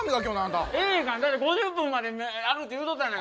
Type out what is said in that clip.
だって５０分まであるって言うとったやないか。